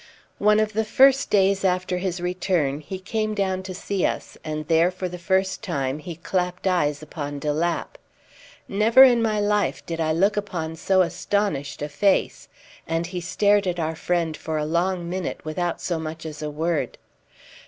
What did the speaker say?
One of the first days after his return he came down to see us, and there for the first time he clapped eyes upon de Lapp. Never in my life did I look upon so astonished a face, and he stared at our friend for a long minute without so much as a word.